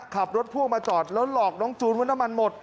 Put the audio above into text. ขับรถพ่วงมาจอดแล้วหลอกน้องจูนว่าน้ำมันหมด